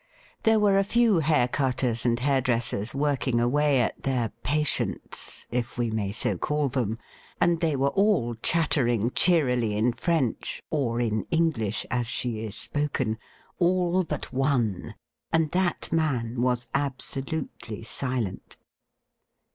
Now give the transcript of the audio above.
There were a few hair cutters and hairdressers working away at their patients, if we may . so call them, and they were all chattering cheerily in , French, or in English as she is spoken — all but one, and : that man was absolutely silent.